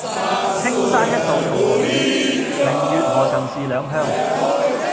青山一道同雲雨，明月何曾是兩鄉